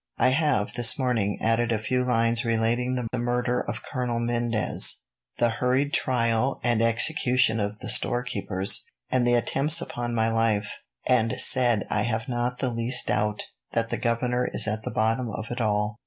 I have, this morning, added a few lines relating the murder of Colonel Mendez, the hurried trial and execution of the storekeepers, and the attempts upon my life, and said I have not the least doubt that the governor is at the bottom of it all."